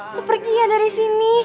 lu pergi ya dari sini